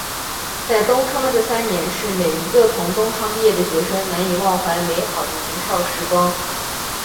在东昌的这三年是每一个从东昌毕业的学生难以忘怀美好的年少时光。